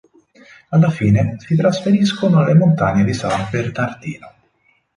Alla fine si trasferiscono nelle montagne di San Bernardino.